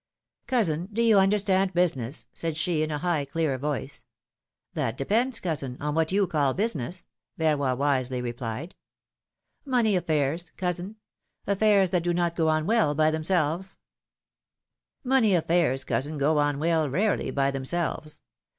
Cousin, do you understand business?" said she, in a high, clear voice. ^'That depends, cousin, on what you call business," Verroy wisely replied. Money affairs, cousin ; affairs that do not go on well by themselves." 142 philomJ:xe's marriages. Money affairs, cousin, go on well, rarely, by them selves.